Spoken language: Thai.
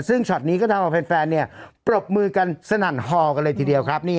ซึ่งช็อตนี้ก็ทำเอาแฟนปรบมือกันสนั่นฮอกันเลยทีเดียวครับ